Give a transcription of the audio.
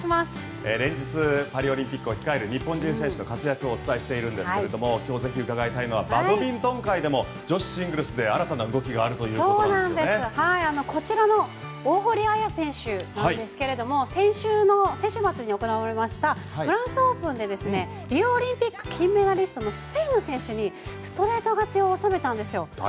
連日、パリオリンピックを控える日本人選手の活躍をお伝えしているんですけれども今日ぜひ伺いたいのはバドミントン界でも女子シングルスで新たな動きがこちらの大堀彩選手ですけれども先週末に行われましたフランスオープンでリオオリンピック金メダリストのスペインの選手にストレート勝ちを収めたんですよ。